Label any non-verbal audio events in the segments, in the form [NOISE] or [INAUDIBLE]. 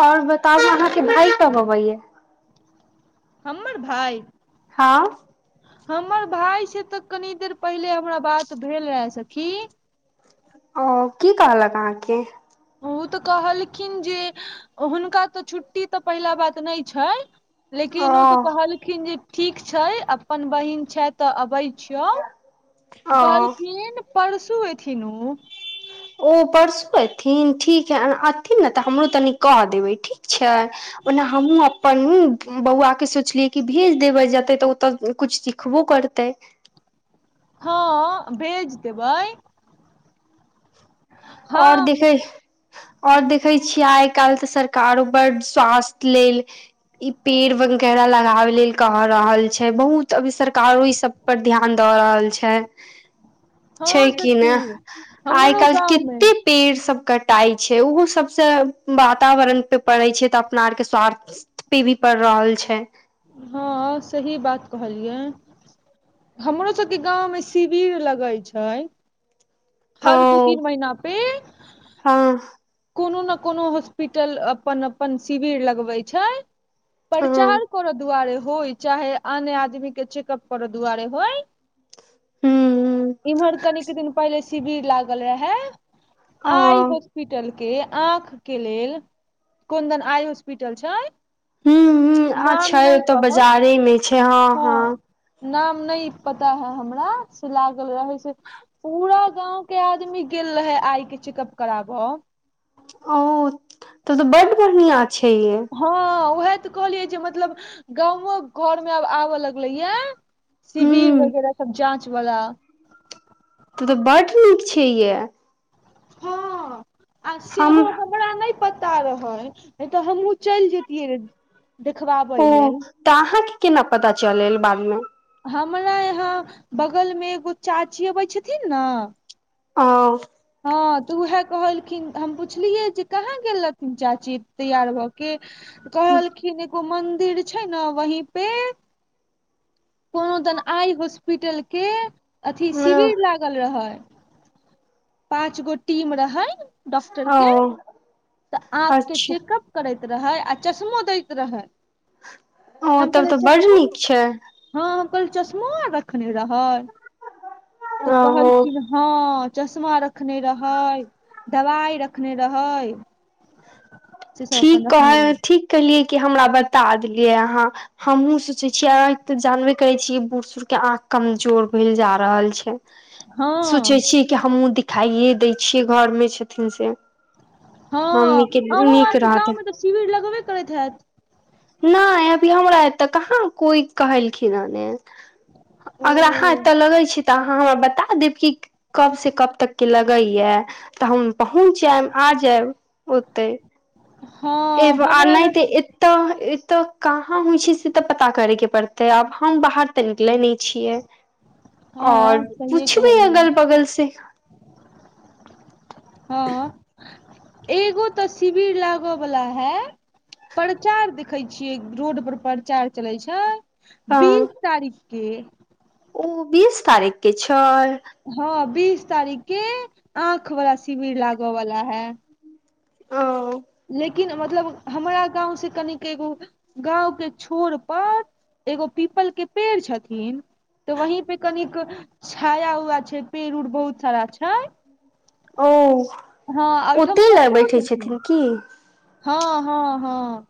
आओर बताउ अहाँके भाई कब अबैया हमर भाइ हाँ हमर भाय से तऽ कनी देर पहिले हमरा बात भेल रहाए सखी ओ की कहलक अहाँके ओ तऽ कहलखिन जे हुनका तऽ छुट्टी तऽ पहिला बात नहि छै लेकिन ओ तऽ कहलखिन जे ठीक छै अपन बहिन छथि तऽ अबै छियौ ओ कहलखिन परसू एथिन उ ओ परसू एथिन ठीक है अथिन ने तऽ हमरो तनी कह देबे ठीक छै ओना हमहूँ आब अपन बौआके सोचलियै कि भेज देबै जेतै तऽ ओतऽ किछु सिखबो करतै हँ भेज देबै आओर हम देखै और देखै छियै आइ काल्हि तऽ सरकारो बड्ड स्वास्थ लेल ई पेड़ वगेरा लगाव लेल कह रहल छै बहुत अभी सरकारो ई सब पर ध्यान दऽ रहल छै [INAUDIBLE] छै कि सखी नहि आइ हमरो काल्हि गाँवमे केतेक पेड़ सब कटाइ छै ओहो सबस वातावरण पे पड़े छै तऽ अपना आर के स्वार्थ पे भी पड़ रहल छै हँ सही बात कहलियै हमरो सबके गाँव मे शिविर लगैत छै हर दू ओ तीन महिना पे हँ कोनो ने कोनो हॉस्पिटल अपन अपन शिविर लगबै छै हँ प्रचार करऽ दुआरे होय चाहे अन्य आदमी के चेकअप करऽ दुआरे होय हूँ इम्हर कनिक दिन पहिले शिविर लागल रहे हे ओ आइ होसपी टल के आँख के लेल कोन्दन आई हॉस्पिटल छै हूंम्म हूंम्म आ नाम छै नहि ओतऽ कहब बाजारे मे छै हँ हँ नाम नहि पता है हमरा से लागल रहै से पूरा गाँव के आदमी गेल रहे आइ के चेकअप कराब ओ तब तऽ बड्ड बढ़ियाँ छै यै हँ उएह तऽ कहलियै जे मतलब गाँवो घरमे आब आबऽ लगलै ये शिबिर हूँ वगैरह सब जाँच वाला तब तऽ बड्ड नीक छै ये हँ आ हम सेहो अपन हमरा नहि पता रहै नहि तऽ हमहहुँ चलि जतियै र देखबाबै ओ लेल तऽ अहाँके केना पता चलल बादमे हमरा यहाँ बगल मे एगो चाची अबै छथिन ने हँ हँ तऽ उएह कहलखिन हम पुछलियै जे कहाँ गेल रहथिन चाची तैयार भऽ के कहलखिन एगो मन्दिर छै ने वहीं पे कोनो दन आइ हॉस्पिटल के अथी शिविर लागल रहै पाँच गो टीम रहै डॉक्टर ओ के तऽ आँख के अच्छा चेकअप करैत रहै आ चश्मो दैत रहै ओ हम तब कहलियै तऽ बड्ड चश्मो नीक छै हँ कलचश्मो रखने रहै तऽ ओ कहलखिन हँ चश्मा रखने रहै दवाई रखने रहै से सब अपन ठीक रखने कहै रहै ठीक कहलियै कि हमरा बता देलियै अहाँ हमहूँ सोचे छियै आ तऽ जानबे करे छीयै बूढ़ सूढ़ के आँख कमजोर भेल जा रहल छै हँ सोचै छियै कि हमहूँ दिखाइए दै छियै घरमे छथिन से हँ आहू आर रहते [UNINTELLIGIBLE] शिविर लगेबे करैत हैत नहि अभी हमरा एतऽ कहाँ कोइ कहलखिन हऽ ने ओ अगर अहाँ एतऽ लगै छी तऽ अहाँ हमरा बता देब कि कब से कब तक के लगैया तऽ हम पहुँच जायब आ जायब ओते हँ एब आ हमरा नहि यहाँ ते तऽ एतऽ तऽ एतऽ कहाँ होइ छै से तऽ पता करैके पड़तै आब हम बाहर तऽ निकलै नहि छियै [INAUDIBLE] ओर सहिए पुछबे कहलियै अगल बगल से हँ एगो तऽ शिविर लागऽ वला है प्रचार देखैत छियै रोड पर प्रचार चलै छै हँ बीस तारीखके ओ बीस तारीख के छै हँ बीस तारीख के आँख वला शिविर लागऽ बाला है ओ लेकिन मतलब हमरा गाँंव से कनिक एगो गाँव के छोर पर एगो पीपल के पेड़ छथिन तऽ वहीं पे कनिक छाया उया छै पेड़ उड़ बहुत सारा छै ओ हँ ओहिठाम ओते लए पोखरो बैठे छथिन की हँ हँ हँ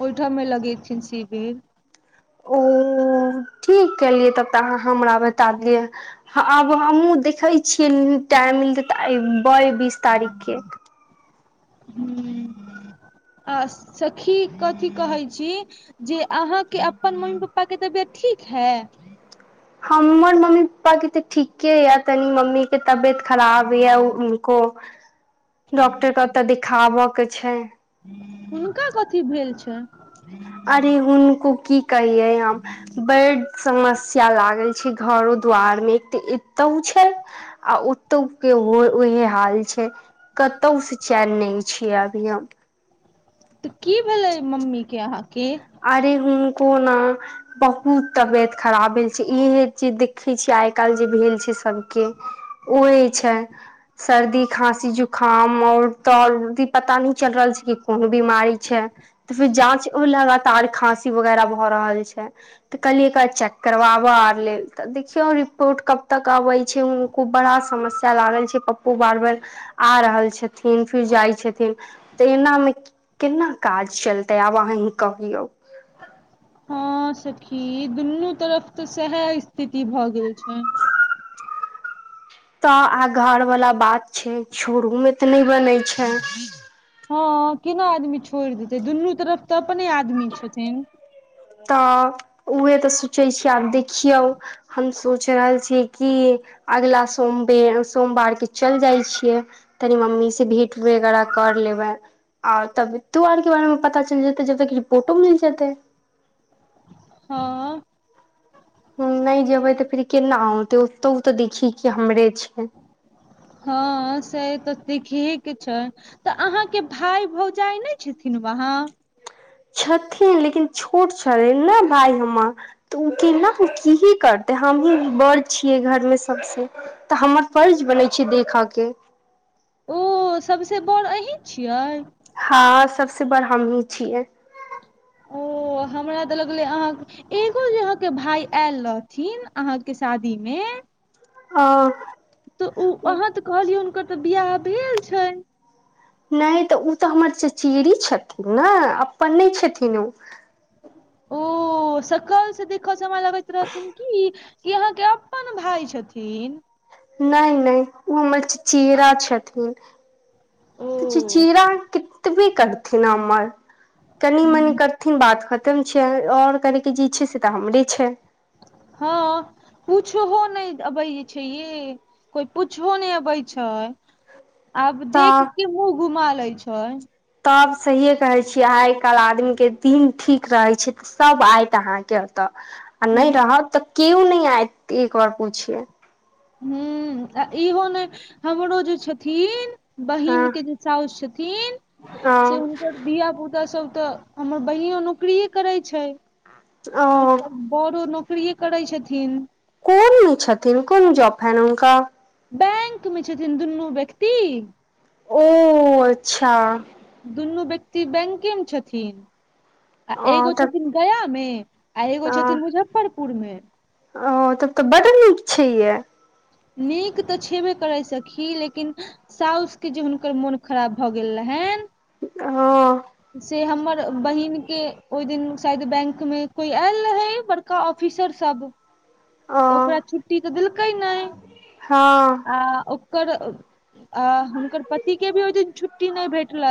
ओहिठाम मे लगेथिन शिविर ओ ठीक केलियै तब तऽ अहाँ हमरा बता दियै आब हमहूँ देखैत छियै टाइम मिलतै तऽ अयबय बीस तारीखके हूँ आ सखी कथी कहै छी जे अहाँके अपन मम्मी पप्पा तबियत ठीक है हमर मम्मी पप्पा के तऽ ठीके यऽ तनी मम्मी के तबियत खराब यऽ को डॉक्टर के ओतऽ देखाब के छै हुनका कथी भेल छै अरे हुनको की कहियै हम बड्ड समस्या समस्या लागल छै घरो दु्वार मे एकटा एतहु छै आ ओतऽ के ओ ओहे हाल छै कतहु से चैन नहि छियै [UNINTELLIGIBLE] अभी हम तऽ की भेलै मम्मी के अहाँ के अरे हुनको ना बहुत तबियत खराब भेल छै इहे जे देखे छियै आइ काल्हि जे भेल छै सबके उहे छै सर्दी खाँंसी जुकाम और तदी पता नी चल रहल छै कि कोन बीमारी छै तऽ फेर जाँच लगातार खाँसी वगैरह भऽ रहल छै तऽ कहलियै कऽ चेक करबाबऽ आ लेल तऽ देखियौ रिपोर्ट कब तक अबै छै खूब बड़ा समस्या लागल छै पप्पू बार बेर आ रहल छथिन फिर जाइ छथिन तऽ एनामे केना काज चलतै आब अहीं कहियौ हँ सखी दुनू तरफ तऽ सएह स्थिति भए गेल छै तऽ आ घर वाला बात छै छोरू मे तऽ नहि बनै छै हँ केना आदमी छोड़ देते दुनू तरफ तऽ अपने आदमी छथिन तऽ उह तऽ सोचै छियै आब देखियौ हम सोचि रहल छीयै कि अगिला सोम बेर सोमवारके चल जाइ छियै तनी मम्मी से भेंट वगैरह कर लेबै और तबियतो आर के बारे मे पता चल जेते जब तकी रिपोर्टो मिल जेते हँ नहि जेबै तऽ फेर केना औते ओतहु तऽ देखी के हमरे छै हँ से तऽ देखही के छै तऽ अहाँके भाय भौजाइ नहि छथिन वहाँ छथिन लेकिन छोट छै ने भाय हमर तऽ ओ केना की ही करते हमहँ बड़ छियै घरमे सबसे तऽ हमर फर्ज बनै छै देखऽ के ओ सबसॅं बड़ अही छियै हँ सबसे बड़ हमही छियै त हमरा तऽ लगलै अहाँ एगो जे अहाँके भाय आयल रहथिन अहाँ के शादी मे ओ तऽ ओ अहाँ तऽ कहलियै हुनकर तऽ बियाह भेल छै नहि तऽ ओ तऽ हमर चचेरी छथिन ने अपन नहि छथिन ओ ओ सकल से देख समय लगैत रहथिन कि कि अहाँके अपन भाय छथिन नहि नहि उ हमर चचेरा छथिन ओ तऽ चचेरा कतबे करथिन हमर कनि मनि करथिन बात खतम छियै और करयके जे छै से तऽ हमरे छै हँ पूछहो नहि अबै छै ये कोइ पूछहो नहि अबै छै आब देख तऽ के मुँह घुमा लै छै तब सहिये कहै छी आइ काल्हि आदमी के दिन ठीक रहे छै सब आइत अहाँ के तऽ आ नहि रहत तऽ केऔ नहि आयत एक बार पूछे हूंम्म आ इहो नै हमरो जे छथिन बहिन हँ के जे साउस छथिन ओ से हुनकर धियापुता सब तऽ हमर बहिनो नौकरिये करै छै ओ आ बड़ नौकरिये करै छथिन कोनमे छथिन कोन जाॅप हनि हुनका बैंक मे छथिन दुनू व्यक्ति ओ अच्छा दुनू व्यक्ति बैंके मे छथिन आ ओ एगो तब छथिन गया मे आ एगो छथिन मुजफ्फरपुर मे ओ तब तऽ बड्ड नीक छै ये नीक तऽ छेबे करै सखी लेकिन साउसके जे हुनकर मोन खराब भऽ गेल रहैन हँ से हमर बहिन के ओहि दिन शायद बैंकमे कोइ आयल रहै बर का ऑफिसर सब ओ तऽ ओकरा छुट्टी तऽ देलकै नहि हँ आ ओकर आ हुनकर पति के भी ओ दिन छूट्टी छुट्टी नहि भेठले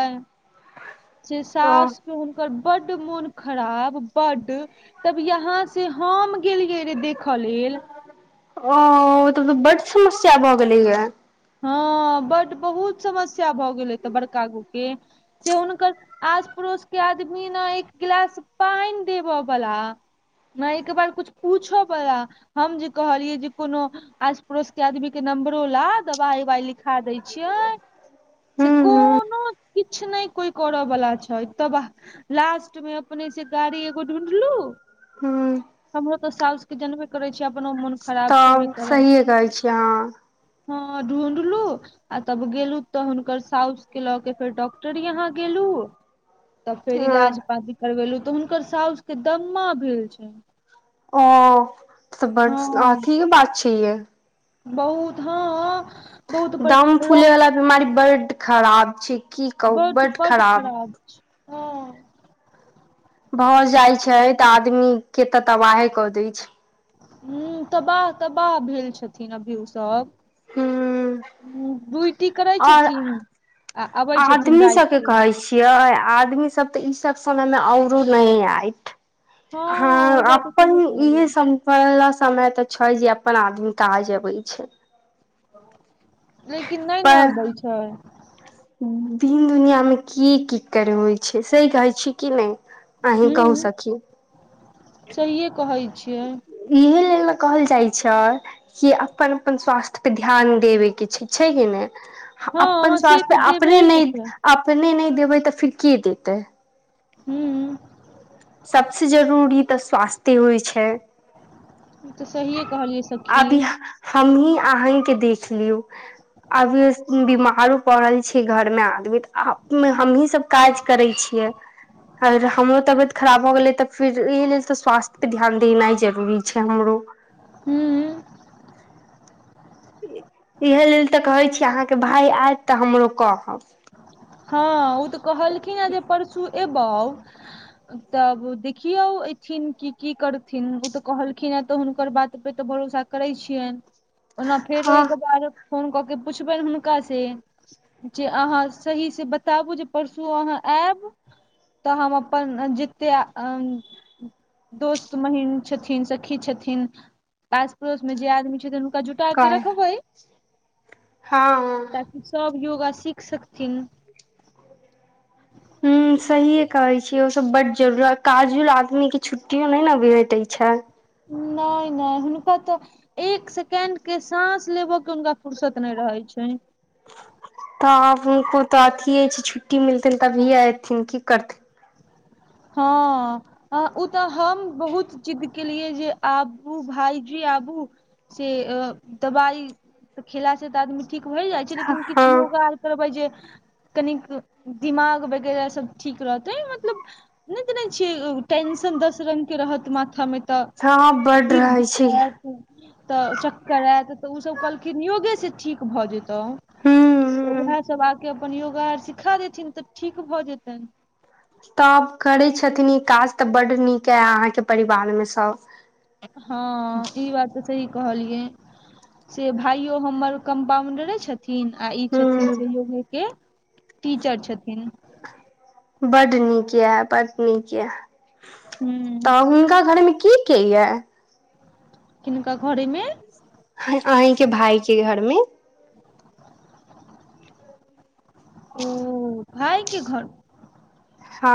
से ओ साउस के हुनकर बड्ड मोन खराब बड्ड तब यहाँ से हम गेलियै रे देखऽ लेल ओ तब तऽ बड्ड समस्या भऽ गेलैये हँ बड्ड बहुत समस्या भऽ गेलै तऽ बड़का गो के से हुनकर आस पड़ोस के आदमी ने एक गिलास पानि देब बला नहि एक बार कुछ पूछो बला हम जे कहलियै जे कोनो आस पड़ोस के आदमी के नम्बरोला दवाइ उवाइ लिखा दै छियै से हूँ हूँ कोनो किछु नहि कोइ करऽ बला छै तबाह लास्ट मे अपने से गाड़ी एगो ढूँढलू हूँ हमरो तऽ सासस के जनबे करे छियै अपनो मन तब सहिए कहै छियै हँ हँ ढूंढलु आ तब गेलु तऽ हुनकर साउस के लऽ के फेर डॉक्टर यहाँ गेलु तब फेर इलाज ओ पाती करवेलू तऽ हुनकर साउस के दम्मा भेल छनि ओ तऽ हँ बड्ड [UNINTELLIGIBLE] अथीके बात छै यै बहुत हँ बहुत पर दाम फूले रह बला बीमारी बड्ड खराब छै की कहू बड बड्ड बड खराब छै हँ भऽ जाइ छै तऽ आदमी के तऽ तबाहे कऽ दै छै हूंम्म तबाह तबाह भेल छथिन अभी उस सब हूँ ड्यूटी करै आओर छथिन आ अबै छथिन आदमी राइत सबके के कहै छियै छियै आदमी सब तऽ ई सब समय मे औरो नहि आयत हँ ई बात तऽ अपन सहिए ईहे कहलियै सब पढ़ै लला समय तऽ छै जे अपन आदमी काज अबै छै लेकिन नहि ने पर अबै छै दिन दुनियां मे की की कर होइ छै सही कहै छी की नहि अहीं हूँ कहू सखी सहिए कहै छियै इहे लेल ने कहल जाइ छै कि अपन अपन स्वास्थ्यपे ध्यान देबयके छै छै कि नहि हँ अपन से स्वास्थ्य पे तऽ अपने देबहे के नहि छै अपने नहि देबै तऽ फिर के देतै हूंम्म सभसे जरूरी तऽ स्वास्थे होइत छै ई तऽ सहिए कहलियै सखी हमहीं अहींके देख लियौ अभी बीमारो पड़ल छै घर मे आदमी तऽ हमही सब काज करै छियै अगर हमरो तबियत खराब भ गेलै तऽ फिर एहि लेल तऽ स्वास्थ्यपे ध्यान देनाइ जरूरी छै हमरो हूंम्म इहे लेल तऽ कहै छी अहाँके भाय आयत तऽ हमरो कहब हँ ओ तऽ कहलखिन हेँ जे परसू एबौ तब देखियौ एथिन कि की करथिन ओ तऽ कहलखिन हें तऽ हुनकर बात पे तऽ भरोसा करै छियनि ओना फेरो हँ एक बार फोन कऽ के पुछबनि हुनका से जे अहाँ सही से बताबू जे परसू अहाँ एब तऽ हम अपन जेते दोस्त महीन छथिन सखी छथिन आस पड़ोस मे जे आदमी छथिन जूटाके कह रखबै हँ ताकि सब योगा सीख सकथिन हूंम्म सहिए कहै छी ओसभ बड्ड जरूरी काजुल आदमी के छुट्टियो नहि ने भेटैत छै नहि नहि हुनको तऽ एक सेकेंड के साँस लेबो के हुनका फर्सत नहि रहे छै तऽ हुनको तऽ अथिये छै छुट्टी मिलते तभिए ऐथिन की करथिन हँ हँ ओ तऽ हम बहुत जिद्द केलियै जे आबू भाईजी आबू से दवाई त खेला से तऽ आदमी ठीक होय जाइ छै लेकिन किछ हँ योगा करबै जे कनिक दिमाग वगैरह सब ठीक रहतै मतलब नहि जनय छियै टेंशन दस रंग के रहत माथा मे तऽ हँ बड फिर रहै छै दुखत [UNINTELLIGIBLE] तऽ चक्कर आयत तऽ ओसभ कहलखिन योगे से ठीक भऽ जेतै ह तऽ ह उएह सभ आके अपन योगा आर सिखा देथिन तऽ ठीक भऽ जेतनि तब करै छथिन ई काज तऽ बड नीक यए अहाँके परिवार मे सभ हँ ई बात तऽ सही कहलियै से भाइयो हमर कम्पाउंडरे छथि छथिन आ ई छथिन ह से योगे के टीचर छथिन बड्ड नीक ये बड्ड नीक ये ह तऽ हुनका घर मे की केए हिनका घरे मे आहीं के भाई के घर मे भाई के घर मे हँ